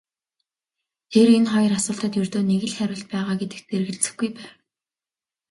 Тэр энэ хоёр асуултад ердөө нэг л хариулт байгаа гэдэгт эргэлзэхгүй байв.